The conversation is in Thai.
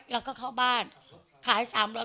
แล้วก็เข้าบ้านขายสามร้อย